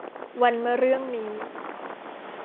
วันมะเรื่องนี้